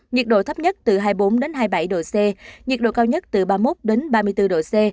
nhiệt độ thấp nhất từ hai mươi bốn hai mươi bảy độ c nhiệt độ cao nhất từ ba mươi một ba mươi bốn độ c